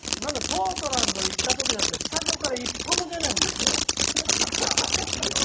ポートランド行ったときだってスタジオから一歩も出ないんですよ。